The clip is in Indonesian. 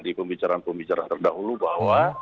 di pembicaraan pembicaraan terdahulu bahwa